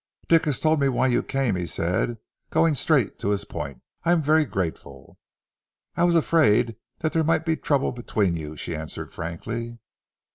"Dick has told me why you came," he said, going straight to his point. "I am very grateful." "I was afraid that there might be trouble between you," she answered frankly.